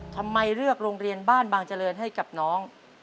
ทำไมเลือกโรงเรียนบ้านบางเจริญให้กับน้อง